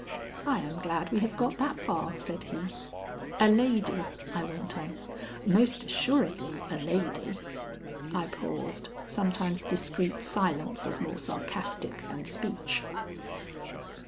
"I am glad we have got that far," said he. "A lady," I went on. "Most assuredly a lady." I paused. Sometimes discreet silence is more sarcastic than speech.